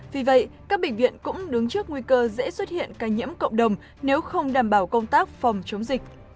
vì vậy các bệnh viện cũng đứng trước nguy cơ dễ xuất hiện ca nhiễm cộng đồng nếu không đảm bảo công tác phòng chống dịch